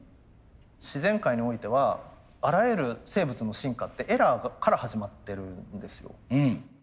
自然界においてはあらゆる生物の進化ってエラーから始まってるんですよ。